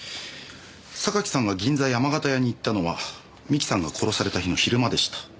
榊さんが銀座山形屋に行ったのは三木さんが殺された日の昼間でした。